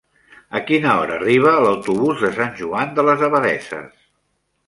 A quina hora arriba l'autobús de Sant Joan de les Abadesses?